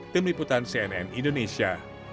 tim liputan cnn indonesia